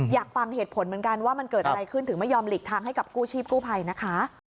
อยากฟังเหตุผลเหมือนกันว่ามันเกิดอะไรขึ้นถึงไม่ยอมหลีกทางให้กับกู้ชีพกู้ภัยนะคะ